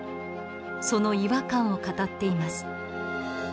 その違和感を語っています。